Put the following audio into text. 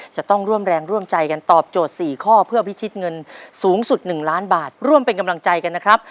จะต้องร่วมแรงร่วมใจกันตอบโจทย์๔ข้อเพื่อพิชิตเงินสูงสุด๑ล้านบาทร่วมเป็นกำลังใจกันนะครับ